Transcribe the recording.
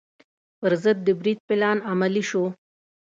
پر ضد د برید پلان عملي شو.